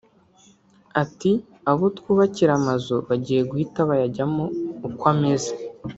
Ati "Abo twubakiraga amazu bagiye guhita bayajyamo uko ameze